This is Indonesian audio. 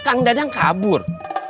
kang dadang kabur